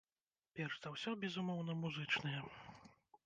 Перш за ўсё, безумоўна, музычныя.